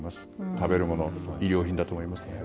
食べるもの、衣料品だと思います。